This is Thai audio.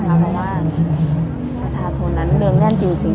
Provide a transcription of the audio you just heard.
เพราะว่าประธานทรงนั้นเรื่องเรื่องจริงจริงค่ะ